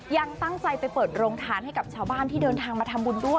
ยังตั้งใจไปเปิดโรงทานให้กับชาวบ้านที่เดินทางมาทำบุญด้วย